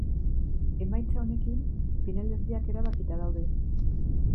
Emaitza honekin finalerdiak erabakita daude.